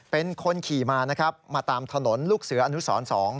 เป็นคนขี่มานะครับมาตามถนนลูกเสืออนุสร๒